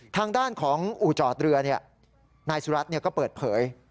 ทางด้านของอู่จอดเรือนายสุรัตน์ก็เปิดเผย